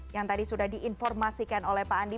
yang tadi sudah diinformasikan oleh pak andi